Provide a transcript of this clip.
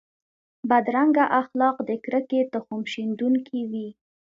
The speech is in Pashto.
بدرنګه اخلاق د کرکې تخم شندونکي وي